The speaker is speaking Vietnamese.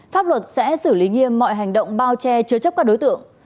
pháp luật sẽ xử lý nghiêm mọi hành động bao che chứa chấp các đối tượng